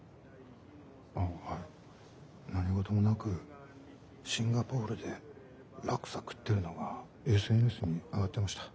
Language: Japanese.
あっはい何事もなくシンガポールでラクサ食ってるのがＳＮＳにあがってました。